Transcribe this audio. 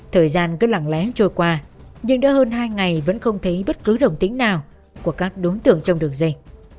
thời gian cứ lặng lẽ trôi qua nhưng đã hơn hai ngày vẫn không thấy bất cứ đồng tính nào của các đối tượng trong đường dây